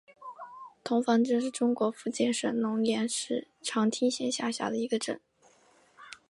童坊镇是中国福建省龙岩市长汀县下辖的一个镇。